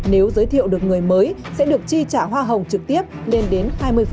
nếu giới thiệu được người mới sẽ được chi trả hoa hồng trực tiếp lên đến hai mươi